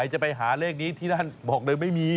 จะไปหาเลขนี้ที่นั่นบอกเลยไม่มี